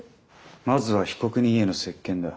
まずは被告人への接見だ。